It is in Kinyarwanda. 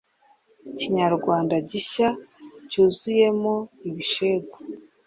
kinyarwanda gishya cyuzuyemo abishegu